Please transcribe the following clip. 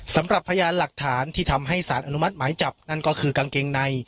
สำหรับพยานหลักฐานที่ทำให้สารอนุมัติหมายจับนั่นก็คือกางเกงใน